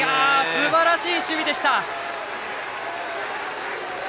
すばらしい守備でした。